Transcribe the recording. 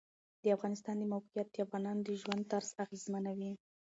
د افغانستان د موقعیت د افغانانو د ژوند طرز اغېزمنوي.